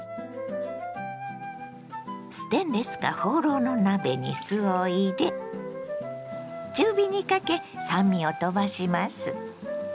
ステンレスかホウロウの鍋に酢を入れ中火にかけ酸味をとばします。